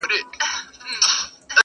امیر نه سوای اورېدلای تش عرضونه-